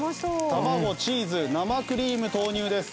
卵チーズ生クリーム投入です。